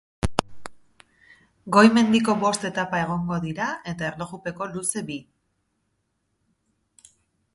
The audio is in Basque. Goi mendiko bost etapa egongo dira eta erlojupeko luze bi.